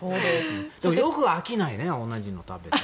でも、よく飽きないね同じのを食べて。